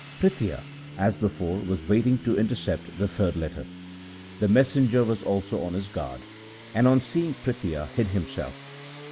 Prithia, as before, was waiting to intercept the third letter. The messenger was also on his guard, and, on seeing Prithia, hid himself.